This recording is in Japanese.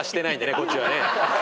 こっちはね。